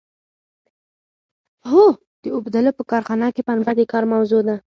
هو د اوبدلو په کارخانه کې پنبه د کار موضوع ده.